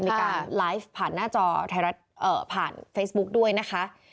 มีการไลฟ์ผ่านหน้าจอไทยรัฐผ่านเฟซบุ๊กด้วยนะคะ